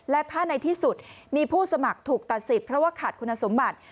และถ้าในที่สุดมีผู้สมัครถูกตัดสิทธิ์เพราะว่าขาดคุณสมบัติ